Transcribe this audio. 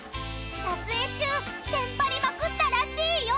［撮影中テンパりまくったらしいよ！］